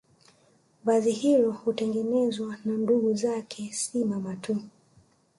Vazi hilo hutengenezwa na ndugu zake si mama tu